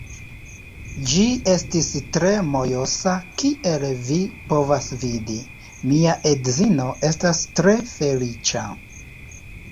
Ĝi estis tre mojosa kiel vi povas vidi, mia edzino estas tre feliĉa